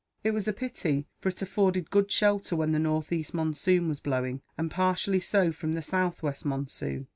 It was a pity, for it afforded good shelter when the northeast monsoon was blowing, and partially so from the southwest monsoon.